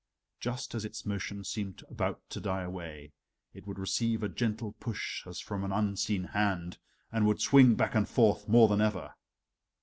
Just as its motion seemed about to die away, it would receive a gentle push as from an unseen hand, and would swing back and forth more than ever.